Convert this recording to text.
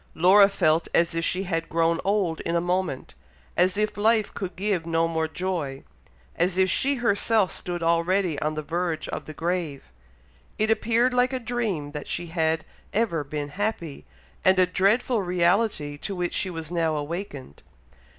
Laura felt as if she had grown old in a moment, as if life could give no more joy and as if she herself stood already on the verge of the grave. It appeared like a dream that she had ever been happy, and a dreadful reality to which she was now awakened.